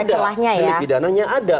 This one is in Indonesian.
delik pidananya ada